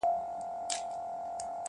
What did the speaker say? زه چي پر مخ زلفي لرم بل به یارکړمه--!